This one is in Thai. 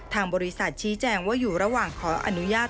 ทางบริษัทชี้แจงว่าอยู่ระหว่างขออนุญาต